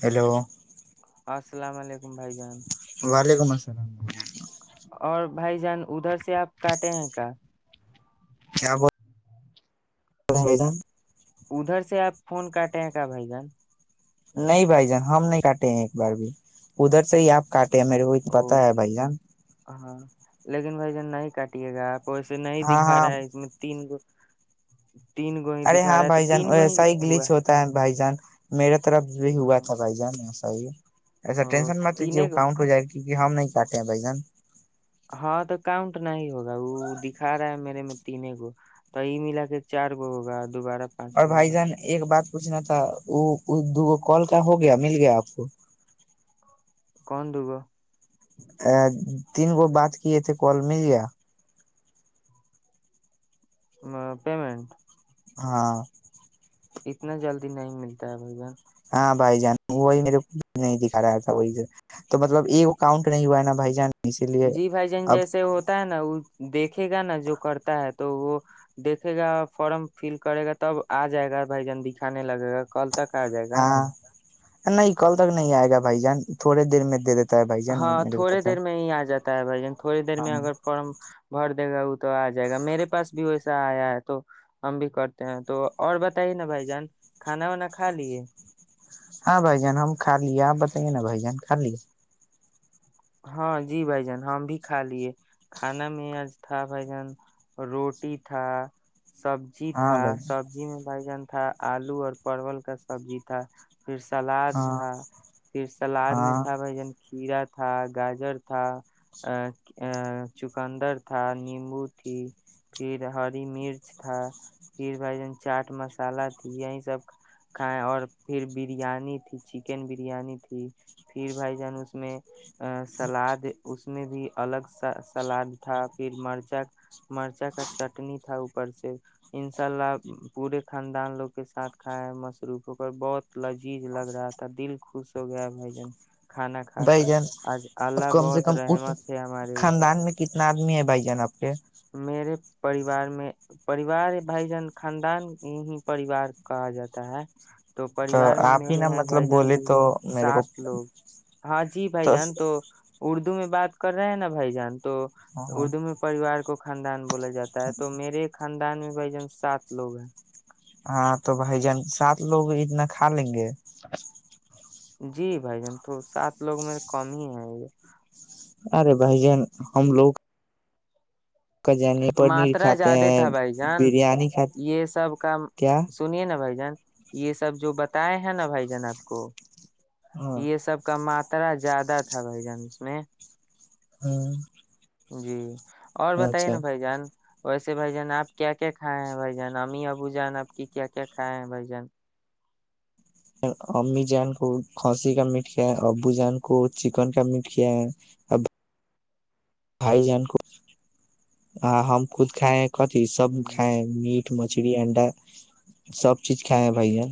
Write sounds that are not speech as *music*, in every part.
hello السلام علیکم بھائی جان وعلیکم السلام ورحمۃ اللہ اور بھائی جان ادھر سے آپ کاٹے ہیں کیا کیا بول میدان ادھر سے آپ فون کاٹے ہیں کیا بھائی جان نہیں بھائی جان ہم نہیں کاٹے ہیں ایک بار بھی ادھر سے ہی آپ کاٹے میرے کو تو او پتا ہے بھائی جان ہاں لیکن بھائی جن نہیں کاٹیے گا آپ کو ایسے نہیں ہاں دکھا ہاں رہا ہے اس میں تین گ *inaudible* ارے دکھا ہاں رہا ہے تو بھائی جان تین گو وسا ہی ہوا گلیچ ہوتا ہے بھائی جان میرے طرف بھی ہوا ہاں تھا بھائی جان جائی اچھا او ٹینسن تو می ج تینے کو کؤنٹ ہو جائے کیونکہ ہم نہیں کاتے ہیں بھ جن ہاں تو کاؤنٹ نہ ہوگا وہ دکھا رہا ہے میرے میں تین گو تو یہ ملا کے چار گو ہوگا دوبارہ پانچ اور گو بھائی ہوگا جان ایک بات پچھنا تھا وہ دوگ کال کا ہو گیا مل گیا آپ کو کون د گ ا تین گو بات کیے تھے کال مل گیا پیمنٹ ہاں اتنا جلدی نہیں ملتا ہے بھائی جن ہاں بھائی جان وہی میرے کو نہیں دکھا رہا تھا وہی تو مطلب ایک کاؤنٹ نہیں ہوا ہے نا بھائی جان اسی لیے جی بھائی جان اب جیسے ہوتا ہے نا وہ دیکھے گا نا جو کرتا ہے تو وہ دیکھے گا فارم فل کرے گا تب آ جائے گا بھائی جان دکھانے لگے گا کل تک آ جائے گا ہاں نہیں کل تک نہیں آئے گا بھائی جان تھوڑ دیر میں د دی ہاں تھوڑی دیر میں ہی آ جاتا ہے بھائی جن تھوڑی دیر میں ہاں اگر فم بھر دے گا وہ تو آ جائے گا میرے پاس بھی ویسا آیا ہے تو ہم بھی کرتے ہیں تو اور بتائیے نا بھائی جان کھانا وانا کھا لیے ہاں بھائی جان ہم کھا لے آپ بتائیے نا بھائی جان کھا لے ہاں جی بھائی جان ہم بھی کھا لیے کھانا میں آج تھا بھائی جان روٹی تھا سبزی تھا ہاں بھائی سبزی میں بھائی جان ہا آلو اور پرول کا سبزی تھا پھر سلاد ہاں تھا پھر سلاد میں تھا ہاں بھائی جان کھیرا تھا گاجر تھا ء آ چقندر تھا نیمبو تھی پھر ہری مرچ تھا پھر بھائی جان چاٹ مسالہ تھی یہی سب کھائائے اور پھر بریانی تھی چکن بریانی تھی پھر بھائی جان اس میں ا سلاد اس میں بھی الگ سلاد تھا پھر مرچا مرچا کا چٹنی تھا اوپر سے انشاء اللہ پورے خاندان لوگ کے ساتھ کھائے ہے مصروف ہو کر بہت لذیذ لگ رہا تھا دل خوش ہو گیا ہے بھائی جن کھانا کا بھای جن کم سے کم اس تھے ہمارے اوپر خاندان میں کتنا آدمی ہے بھائی جان آپ کے میرے پریوار میں پریوار بھائی جان خاندان ہی پریوار کہا جاتا ہے تو پریوار میں آپ ہی میرے نا ہیں مطلب بھائی جان بولے تو میرے کو سات لوگ ہاں جی بھائی جان تو اردو میں بات کر رہے ہیں نا بھائی جان تو اردو میں پریوار کو خاندان بولا جاتا ہے تو میرے خاندان میں بھائی جن سات لوگ ہیں ہاں تو بھائی جان سات لوگ عید نہ کھا لیں گے جی بھائی جان تو سات لوگ میر کم ہی ہے ارے بھائی جان ہم لوگ کا جانے پنیر ماترا کھاتے زیادہ ہیں تھا بھائی جان بریانی کھاتے یہ سب کا کیا سنیے نا بھائی جان یہ سب جو بتاائے ہیں نا بھائی جان آپ کو ہاں یہ سب کا مات اترا زیادہ تھا بھائی جان اس میں ہاں جی اور بتائیے نا بھائی جان ویسے بھ جان آپ کیا کیا کھائے ہیں بھائی جان امی ابو جان آپ کی کیا کیا کھائے ہیں بھ جان امی جان کو کھانسی کا میٹ کیا ہے ابو جان کو چکن کا میٹ کیا ہے بھائی جان کو *unintelligible* ہ ہم خود کھائے کتی سب ہ کائکھائےمٹ مچھلیی انڈا سب چیز کائے بھ جن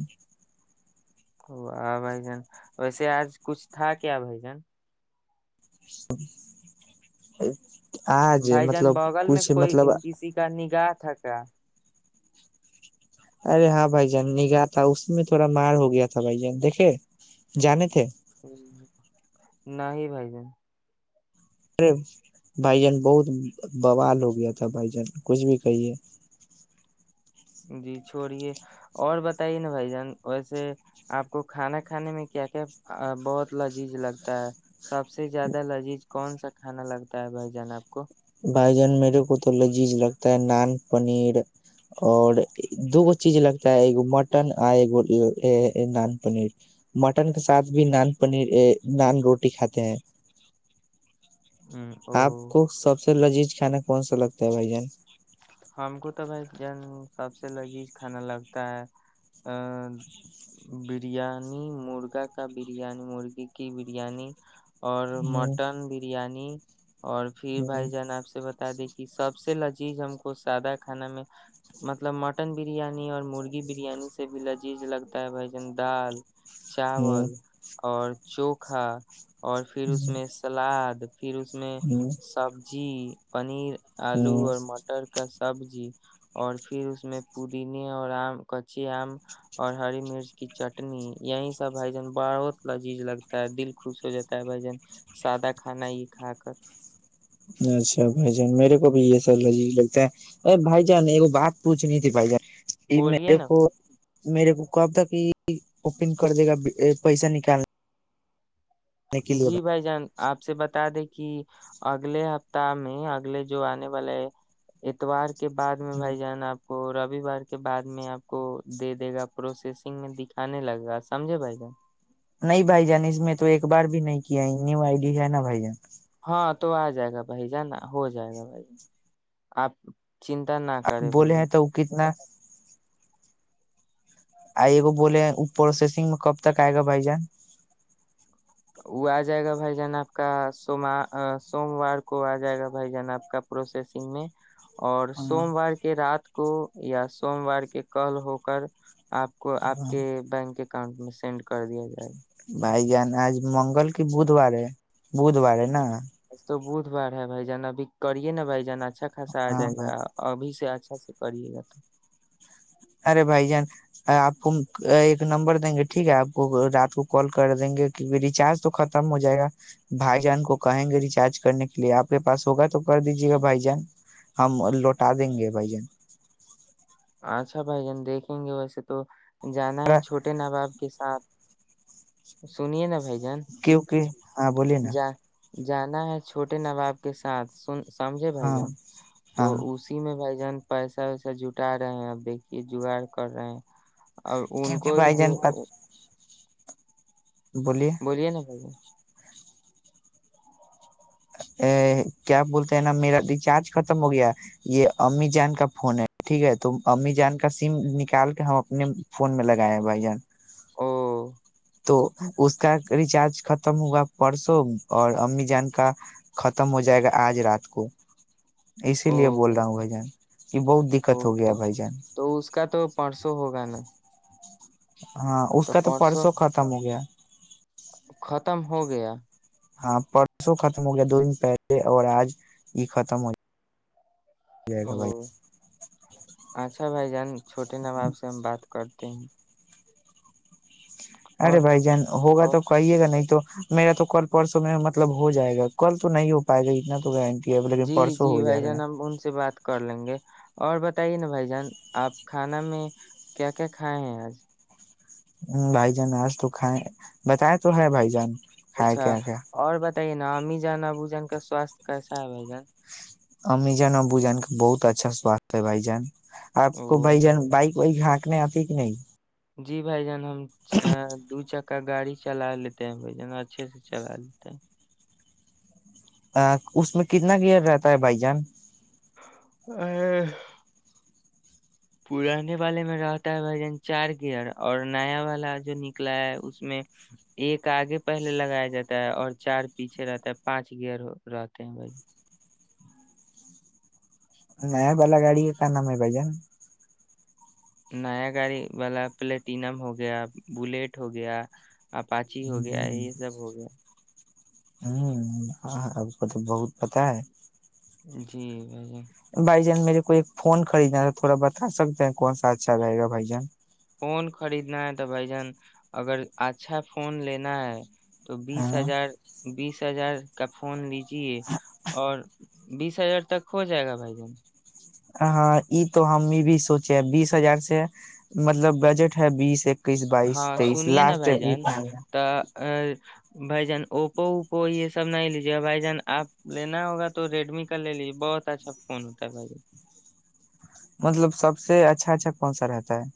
واہ بھائی جان ویسے آج کچھ تھا کیا بھائی جان ہ *inaudible* بھائی جان بغل میں کوئی کسی کا نگاہ تھا اا *unintelligible* ارے ہاں بھائی جان نگاہ تھا اس میں تھوڑا مار ہو گیا تھا بھائی جان دیکھے جانے تھے نہیں بھائی جان ارے بھائی جان بہت بوال ہو گیا تھا بھائی جان کچھ بھی کہیے جی چھوڑیے اور بتائیے نا بھائی جان ویسے آپ کو کھانا کھانے میں کیا کیا بہت لذیذ لگتا ہے سب سے زیادہ لذیذ کون سا کھانا لگتا ہے بھائی جان آپ کو بھائی جان میرے کو تو لذیذ لگتا ہے نان پنیر اور دو گ چیز لگتا ہے ایک مٹن اور ایک نان پنیر مٹن کے ساتھ بھی نان پنیر نان روٹی کھاتے ہیں ہ او آپ کو سب سے لذیذ کھانا کون سا لگتا ہے بھائی جان ہم کو تو بائی ج سب سے لذیذ کھانا لگتا ہے ا بریانی مرغا کا بریانی مرغی کی بریانی اور مٹن بریانی اور پھر بھائی جان آپ سے ب دیکھی سب سے لذیذ ہم کو کو سادہ کھانا میں مطلب مٹن بریانی اور مرغی بریانی سے بھی لذیذ لگتا ہے بھائی جن دال چاول اور چوکھا اور پھر اس میں سلاد پھر اس میں سبزی پنیر آلو اور مٹر کا سبزی اور پھر اس میں پودینے اور آم کچے آم اور ہری مرچ کی چٹنی یہی سب بھائی جان بہت لذیذ لگتا ہے دل خوش ہو جاتا ہے بھائی جان سادہ کھانا یہ کھا کر اچھا بھائی جان میرے بھی یہ سا لجی لگتا ہے اے بھائی جان ایک بات پوچھنی تھی بھائی جان یہ بولیے میرے نا بھائی کو میرے کو کب تک ہی اوپنگ کر دے گا پیسہ نکالنا جی بھائی جان آپ سے بتا دے کہ کہ اگلے ہفتہ میں اگلے جو آنے والے اتوار کے بد میں بھائی جان آپ کو رووار کے بعد میں آپ کو دے دے گا پروسیسنگ میں دکھانے لگے گا سمجھے بھائی جان نہیں بھائی جان اس میں تو ایک بار بھی نہیں کیا نیو آئیڈی ہے نا بھ ج ہاں تو آ جائے گا بھائی جانا ہو جائے گا بھائی آپ چنتا نہ اب کرے بھائی بولے جان ہیں تو وہ کتنا آئیگو بولے پروسیسنگ میں کب تک آئے گا بائی جان وہ آ جائے گا بھائی جان آپ کا سا سوموار کو آ جائے گا بھائی جان آپ کا پروسیسنگ میں اور سوموار کے رات کو یا سوموار کے کل ہو کر آپ کو آپ کے بینک اکاؤنٹ میں سینڈ کر دیا جائےا بھائی جان آج منگل کی بدوار ہے بدوار ہے نا آج تو بدھ بار ہے بھائی جان اب بھی کریے نا بھائی جان اچھا خاصا آ ہاں جائے گا بھائی ابھی سےچھ سے پی گیا تو ارے بھائی جان آپ کو ایک نمبر دیں گے ٹھیک ہے آپ کو رات کو کال کر دیں گے کیکہ ریچارج تو ختم ہو جائے گا بھائی جان کو کہیں گے ریچارج کرنے کے لیے آپ کے پاس ہوگا تو کر دیجے گا بھائی جان ہم لوٹا دیں گے بھائی جان اچھا بھائی جان دیکھیں گے ویسے تو جانا ہے چھوٹے ناں باپ کے ساتھ سنیے نا بھائی جان کی کہ ہاں بولیے نا جا جانا ہے چھوٹے نواب کے ساتھ سن سمجھے بھائی ہاں جان تو ہاں اسی میں بھائی جان پیسا ویسا جٹ اٹا رہے ہیں بیکی جگاڑ کر رہے ہیں ا ان کیونکہ کو ہی بھائی بھی جان بولیے نا بھائی ا کیا بولتے ہیں نا میرا ریچارج ختم ہو گیا یہ امیجان کا فون ہے ٹھیک ہے تو امیجان کا سم نکال کے ہم اپنے فون میں لگائے ہیں بھائی جان او تو اس کا ریچارج ختم ہوگا پرسوں اور امی جان کا ختم ہو جائے گا آج رات کو اسی لیے بول رہا ہوں بھائی جان کہ بہت او دقت ہو گیا تو بھائی جان تو اس کا تو پرسوں ہوگا نا ہاں اس کا تو پرسوں ختم ہو گیا ختم ہو گیا ہاں پرسوں ختم ہو گیا دو دن پہلے اور آج یہ ختم ہو جائے گا او بھائی اچھا بائی جان چوٹے نواب سے ہم بات کر ت ارے بھائی جان ہوگا اور تو کہئیے گا نہیں تو میرا تو کل پرسوں میں مطلب ہو جائے گا کل تو نہیں ہو پائے گا اتنا تو گارنٹی ہے لیکن جی پرسوں جی ہو بھائی جائے جان ہم ان سے بات کر لیں گے اور بتائیے نا بھائی جان آپ کھانا میں کیا کیا کھائے ہیں آج ہ بھائی جان آج تو کھائےیں بتائے تو ہے بھائی جان کھائے اچھا کیا کیا اور بتائیے نا نام ہی جان ا بو جان کا سوستھ کیسا ہے بھ جان اممی جان ابو جان کہ بہت اچھا سواست ہے بائی جان آپ کو او بھائی جان بائک وہئی *unintelligible* جی بھائی جان ہم دو چ *unintelligible* کا گاڑی چلا لیتے ہیں بھ جنا اچھے سے چلا لیتے ا اس میں کتنا گیئر رہتا ہے بھائی جان پانے والے میں رہتا ہے بھائی جان چار گیئر اور نیا والا جو نکلا ہے اس میں ایک آگے پہلے لگایا جاتا ہے اور چار پیچھے رہتا ہے پانچ گیئر رہتے ہیں بھائی جن نہیں بلا گاڑی ہے کا نام ہے بھ جان نیا گاڑی والا پلیٹینم ہو گیا بلیٹ ہو گیا آ پاچ ہی ہو گیا ہے یہ جب ہو گیا ہوں اب کو تو بہت پتاہ ہے جی بھ بھائی جان میرے کو ایک فون خریدنا تھا تھوڑا بتا سکتے ہیں کون سا اچھا رہے گا بھائی جان فون خریدنا ہے تو بھائی جان اگر اچھا فون لینا ہے تو بیس ہاں ہزار بیس ہزار کا فون لیجے اور بیس ہزار تک ہو جائے گا بھائی جان ہاں یہ تو ہم یہ بھی سوچے بیس ہزار سے مطلب بجٹ بیس اکیس بائیس ہاں تئیس لاسٹ ا بھائی جان اوپو اوپو یہ سب نہیں لیجیے بھائی جان آپ لینا ہوگا تو ریڈمی کا لے لیجیے بہت اچھا فون ہوتا ہے بھائی جان مطلب سب سے اچھا اچھا کون سا رہتا ہے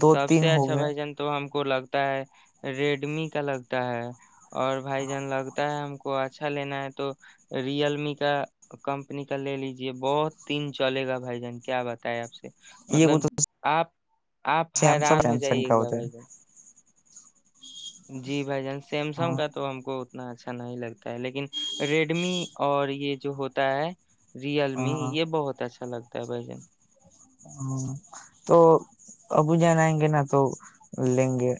دو سب سے تین ہو اچھا گئے بھ جن تو ہم کو لگتا ل ہے ریڈمی کا لگتا ہے اور بھائیجن لگتا ہے ہم کو اچھا لینا ہے تو ریئل می کا کمپنی کا لے لیجے بہت تین چلے گا بھجن کیا بتائے آپ سے یہ مطلب تو آپ آپ سیمسنگ حیران ہو سیمسنگ جائیے کا گا ہوتا بھائی ہے ج جی بھ جان سیمسنگ ہاں کا تو ہم کو اتنا اچھا نہیں لگتا ہے لیکن ریڈمی اور یہ جو ہوتا ہے ریئل می ہاں یہ بہت اچھا لگتا کیا ب جے ہ تو ابو جانائیں گے نا تو لیں گے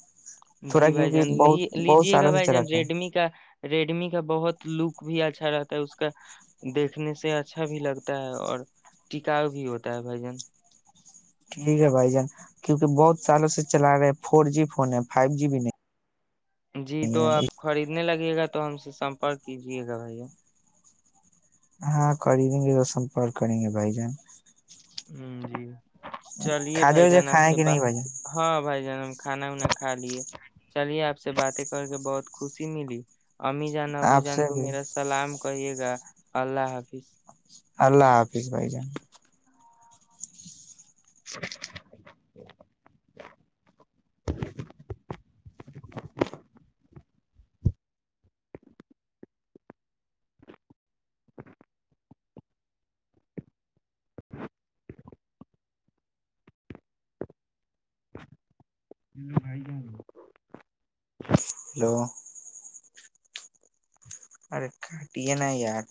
جی تھوڑا بھائی جان کیونکہ لی بہت بہت لیجے گا سالوں سے بھائی جان چلاتے ہیں ریڈمی کا ریڈمی کا بہت لک بھی اچھا رہتا ہے اس کا دیکھنے سے اچھا بھی لگتا ہے اور ٹکاؤ بھی ہوتا ہے بھجن ٹھیک ہے بھائی جان کیونکہ بہت سالوں سے چلا رہے فور جی فون ہے فائیو جی بھی نہیں جی تو ہے آپ خرید کتنے لگے گا تو ہم سے سمپرک کیجیے گا بھائییا ہاں کر ہی دیں گے تو سمپرک کریں گے بھائی جان ہ جی چلیے کھاجے بھائی وجے جان آپ کھائے سے کہ نہیں بات بھائی جان ہاں بھائی جان کھانا وانا کھا لیے چلیے آپ سے باتیں کر کے بہت خوشی ملی امزان بو آپ جان سے کو بھی میرا سلام کریے گا اللہ حافظ اللہ حافظ بھائی جان بھائی جان ہیلو کاٹ نا یار